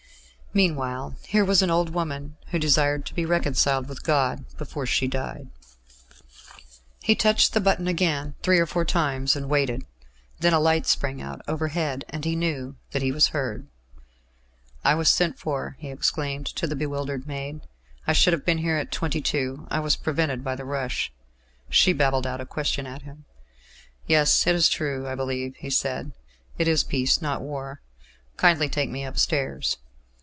Meanwhile here was an old woman who desired to be reconciled with God before she died.... He touched the button again, three or four times, and waited. Then a light sprang out overhead, and he knew that he was heard. "I was sent for," he exclaimed to the bewildered maid. "I should have been here at twenty two: I was prevented by the rush." She babbled out a question at him. "Yes, it is true, I believe," he said. "It is peace, not war. Kindly take me upstairs."